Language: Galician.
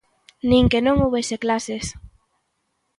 Nin que non houbese clases.